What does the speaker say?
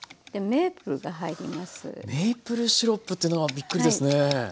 メープルシロップというのはびっくりですね。